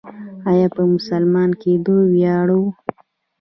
آیا په مسلمان کیدو ویاړو؟